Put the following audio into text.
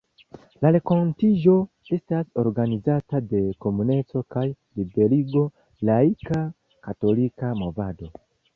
La renkontiĝo estas organizata de Komuneco kaj Liberigo, laika, katolika movado.